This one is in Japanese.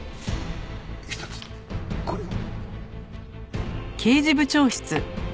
ひとつこれを。